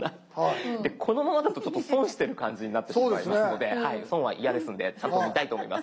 このままだとちょっと損してる感じになってしまいますので損は嫌ですのでちゃんと見たいと思います。